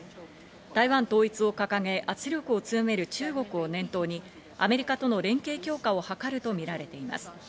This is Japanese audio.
台湾統一を掲げ、圧力を強める中国を念頭にアメリカとの連携強化を図るとみられています。